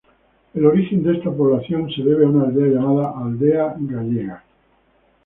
El origen de esta población se debe a una aldea llamada "Aldea gallego".